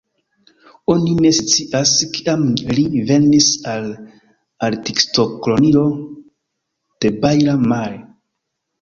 Oni ne scias, kiam li venis al Artistkolonio de Baia Mare.